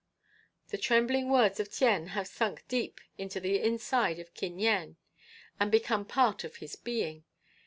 "The trembling words of Tien have sunk deep into the inside of Kin Yen and become part of his being.